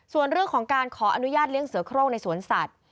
ส่วนเรื่องของการขออนุญาตเลี้ยเสือโครงในสวนสัตว์